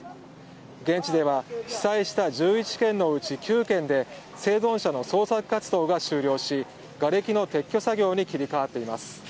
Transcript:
現地では被災した１１軒のうち９軒で生存者の捜索活動が終了しがれきの撤去作業に切り替わっています。